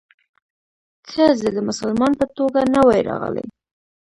که زه د مسلمان په توګه نه وای راغلی.